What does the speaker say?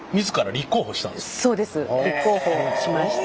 立候補しました。